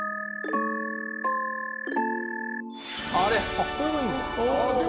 あっこれもいいんだ。